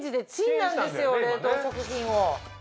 冷凍食品を。